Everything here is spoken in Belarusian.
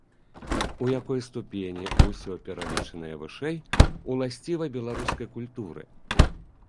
У якой ступені ўсё пералічанае вышэй уласціва беларускай культуры?